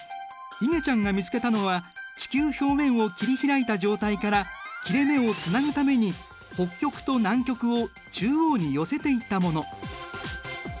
いげちゃんが見つけたのは地球表面を切り開いた状態から切れ目をつなぐために北極と南極を中央に寄せていったもの。